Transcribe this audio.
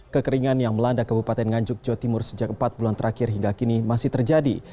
kekeringan yang melanda kabupaten nganjuk jawa timur sejak empat bulan terakhir hingga kini masih terjadi